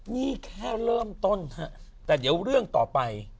นี่แค่เริ่มต้นฮะแต่เดี๋ยวเรื่องต่อไป